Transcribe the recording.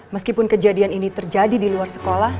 meskipun kejadian ini terjadi di luar sekolah